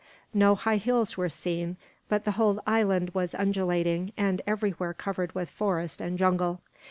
No high hills were seen; but the whole island was undulating, and everywhere covered with forest and jungle.